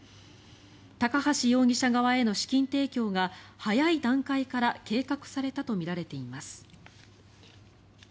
高橋容疑者側への資金提供が早い段階から計画されたとみられています。